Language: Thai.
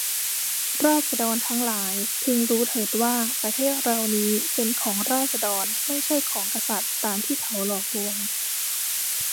ราษฎรทั้งหลายพึงรู้เถิดว่า ประเทศเรานี้เป็นของราษฎร ไม่ใช่ของกษัตริย์ตามที่เขาหลอกลวง